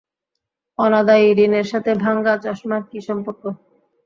অনাদায়ী ঋণের সাথে ভাঙা চশমার কী সম্পর্ক?